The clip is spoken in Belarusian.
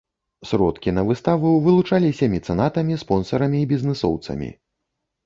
Сродкі на выставу вылучаліся мецэнатамі, спонсарамі і бізнесоўцамі.